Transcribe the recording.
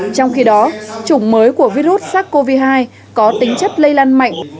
trong khi đó chủng mới của virus sars cov hai có tính chất lây lan mạnh